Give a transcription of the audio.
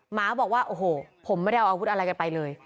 หมาบอกว่าโอ้โหผมไม่ได้เอาอาวุธอะไรกันไปเลย